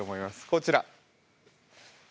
こちら。